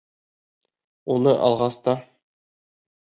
Уны алғас та...